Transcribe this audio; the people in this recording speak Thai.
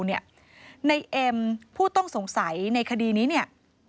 ในเอ็มผู้ต้องสงสัยในคดีนี้เนี่ย